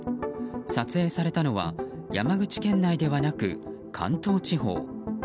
撮影されたのは山口県内ではなく関東地方。